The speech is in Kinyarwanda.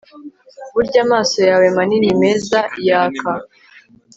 burya amaso yawe manini meza yaka